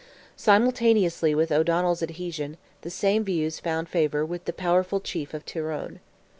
Simultaneously with O'Donnell's adhesion, the same views found favour with the powerful chief of Tyrone.